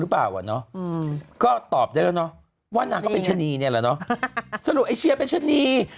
ประมาณสัก๕๖ปีนี้